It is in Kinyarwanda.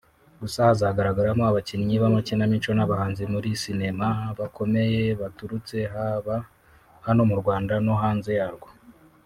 Gusa hazagaragaramo abakinnyi b’amakinamico n’abahanzi muri sinema bakomeye baturutse haba hano mu Rwanda no hanze yarwo